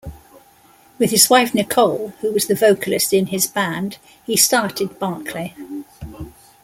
With his wife, Nicole, who was the vocalist in his band, he started Barclay.